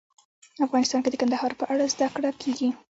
افغانستان کې د کندهار په اړه زده کړه کېږي.